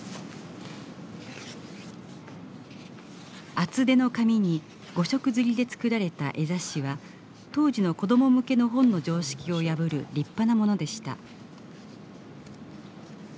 厚手の紙に５色刷りで作られた絵雑誌は当時の子ども向けの本の常識を破る立派なものでした。